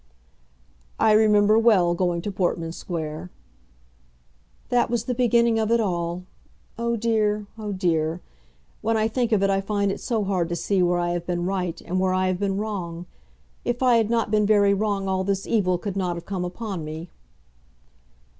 "I remember well going to Portman Square." "That was the beginning of it all. Oh dear, oh dear; when I think of it I find it so hard to see where I have been right, and where I have been wrong. If I had not been very wrong all this evil could not have come upon me."